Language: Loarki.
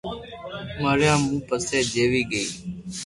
مريا مون پئسي جيوي گئي